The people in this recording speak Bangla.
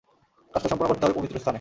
কাজটা সম্পন্ন করতে হবে পবিত্র স্থানে।